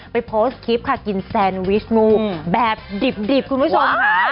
โพสต์คลิปค่ะกินแซนวิชงูแบบดิบคุณผู้ชมค่ะ